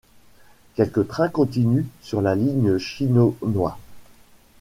Quelques trains continuent sur la ligne Shinonoi.